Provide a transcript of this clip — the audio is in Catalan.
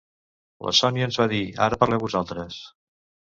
La Sònia ens va dir ara parleu vosaltres!